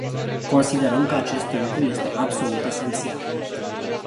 Considerăm că acest lucru este absolut esențial.